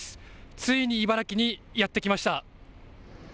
ついに茨城にやって来ました。